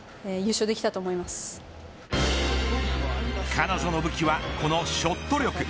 彼女の武器はこのショット力。